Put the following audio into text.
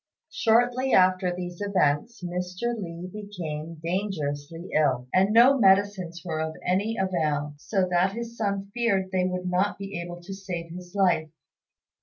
Shortly after these events Mr. Li became dangerously ill, and no medicines were of any avail, so that his son feared they would not be able to save his life.